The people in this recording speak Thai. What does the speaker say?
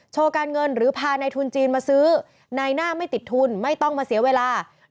การเงินหรือพาในทุนจีนมาซื้อในหน้าไม่ติดทุนไม่ต้องมาเสียเวลา